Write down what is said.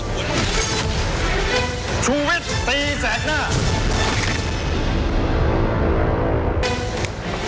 ทีนี้ก่อนที่จะไปพูดถึงเรื่องของกฎหมายที่เกี่ยวข้องนะ